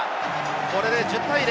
これで１０対０。